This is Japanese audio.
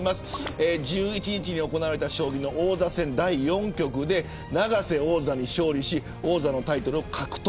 １１日に行われた将棋の王座戦第４局で永瀬王座に勝利し王座のタイトルを獲得。